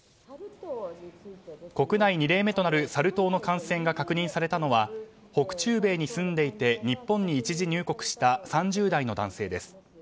国内２例目となるサル痘の感染が確認されたのは北中米に住んでいて日本に一時入国した３０代の男性です。